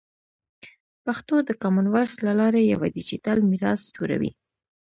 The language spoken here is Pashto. پښتو د کامن وایس له لارې یوه ډیجیټل میراث جوړوي.